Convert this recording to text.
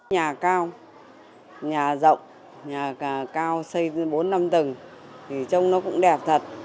nhà cao nhà rộng nhà cao xây bốn năm tầng thì trông nó cũng đẹp thật